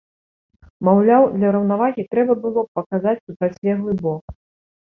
Маўляў, для раўнавагі трэба было б паказаць супрацьлеглы бок.